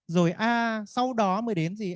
rồi a sau đó mới đến gì